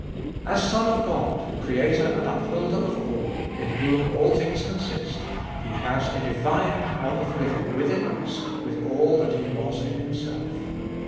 As Son of God, Creator and Upholder of all, in whom all things consist, He has a divine power of living within us with all that He was in Himself.